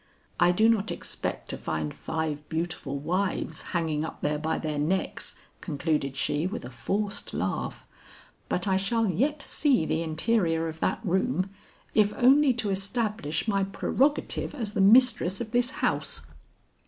'I do not expect to find five beautiful wives hanging up there by their necks,' concluded she with a forced laugh, 'but I shall yet see the interior of that room, if only to establish my prerogative as the mistress of this house.'